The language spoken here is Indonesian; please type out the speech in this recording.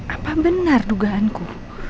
apa benar dugaanku